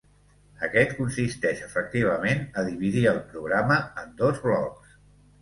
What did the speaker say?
Aquest consisteix efectivament a dividir el programa en dos blocs.